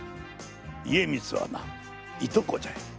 家光はないとこじゃよ。